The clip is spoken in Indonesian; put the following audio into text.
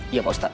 iya pak ustadz